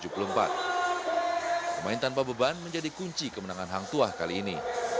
pemain tanpa beban menjadi kunci kemenangan hangtua kali ini